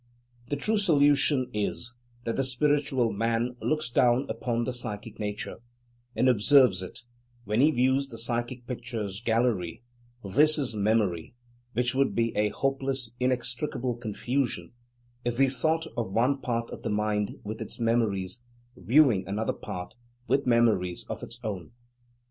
The true solution is, that the Spiritual Man looks down upon the psychic nature, and observes it; when he views the psychic pictures gallery, this is "memory," which would be a hopeless, inextricable confusion, if we thought of one part of the "mind," with its memories, viewing another part, with memories of its own.